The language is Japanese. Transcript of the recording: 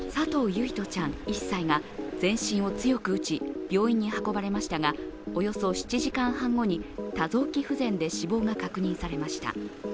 唯叶ちゃん１歳が全身を強く打ち、病院に運ばれましたが、およそ７時間半後に多臓器不全で死亡が確認されました。